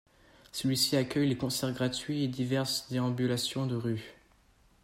Celle-ci accueille les concerts gratuits et diverses déambulations de rue.